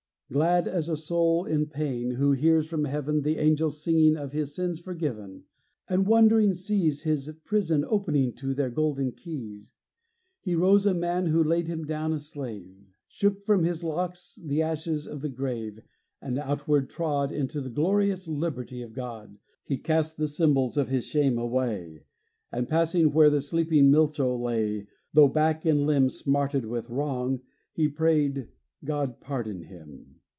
Glad as a soul in pain, who hears from heaven The angels singing of his sins forgiven, And, wondering, sees His prison opening to their golden keys, He rose a man who laid him down a slave, Shook from his locks the ashes of the grave, And outward trod Into the glorious liberty of God. He cast the symbols of his shame away; And, passing where the sleeping Milcho lay, Though back and limb Smarted with wrong, he prayed, "God pardon him!"